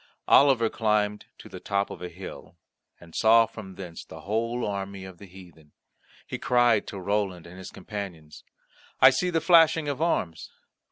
Oliver climbed to the top of a hill, and saw from thence the whole army of the heathen. He cried to Roland his companion, "I see the flashing of arms.